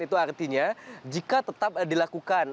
itu artinya jika tetap dilakukan